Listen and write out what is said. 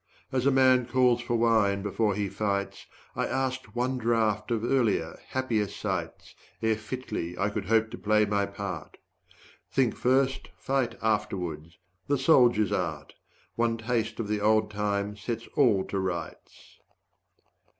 85 As a man calls for wine before he fights, I asked one draft of earlier, happier sights, Ere fitly I could hope to play my part. Think first, fight afterwards the soldier's art; One taste of the old time sets all to rights.